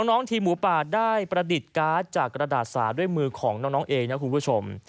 น้องทีมหมูป่าได้ประดิษฐ์การ์ดจากกระดาษสาด้วยมือของน้องเองนะคุณผู้ชม